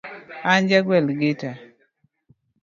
An ja gwel gita.